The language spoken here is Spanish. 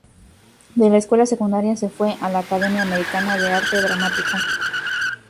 De la escuela secundaria se fue a la Academia Americana de Arte Dramático.